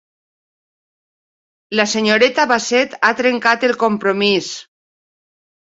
La senyoreta Bassett ha trencat el compromís.